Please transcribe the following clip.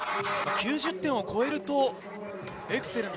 ９０点を超えると、エクセレント。